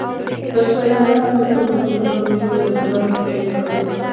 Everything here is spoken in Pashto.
تر سایوان لاندې ټول موټرونه مې تر نظر تېر کړل.